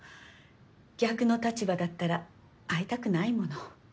逆の立場だったら会いたくないもの。